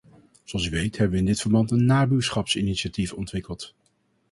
Zoals u weet hebben we in dit verband een nabuurschapsinitiatief ontwikkeld.